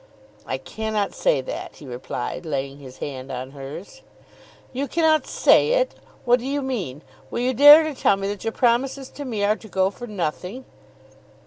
"I cannot say that," he replied, laying his hand in hers. "You cannot say it! What do you mean? Will you dare to tell me that your promises to me are to go for nothing?"